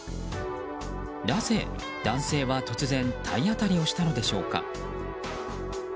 なぜ、男性は突然体当たりをしたのでしょうか。